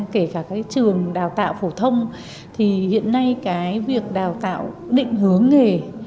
kể cả các trường đào tạo phổ thông thì hiện nay cái việc đào tạo định hướng nghề